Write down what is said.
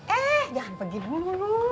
eh jangan pergi dulu